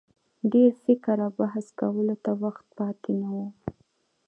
ډېر فکر او بحث کولو ته وخت پاته نه وو.